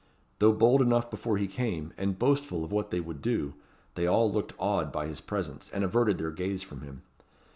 Though bold enough before he came, and boastful of what they would do, they all looked awed by his presence, and averted their gaze from him.